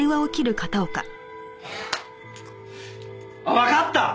わかった！